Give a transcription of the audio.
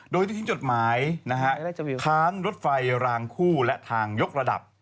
โดยได้ทิ้งจดหมายนะฮะค้านรถไฟรางคู่และทางยกระดับ